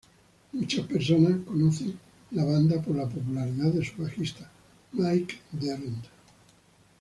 Muchas personas conocen a la banda por la popularidad de su bajista, Mike Dirnt.